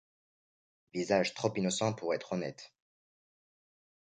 Visage trop innocent pour être honnête.